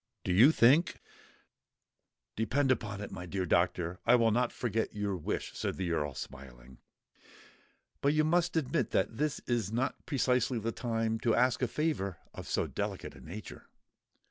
Do you think——" "Depend upon it, my dear Doctor, I will not forget your wish," said the Earl, smiling: "but you must admit that this is not precisely the time to ask a favour of so delicate a nature."